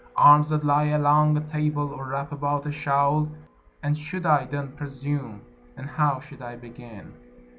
Arms that lie along a table, or wrap about a shawl. And should I then presume? And how should I begin?